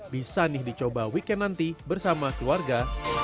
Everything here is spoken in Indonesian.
bisa nih dicoba weekend nanti bersama keluarga